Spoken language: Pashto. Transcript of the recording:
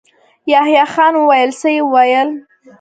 يحيی خان وويل: څه يې ويل؟